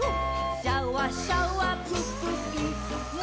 「シャワシャワプププ」ぷー。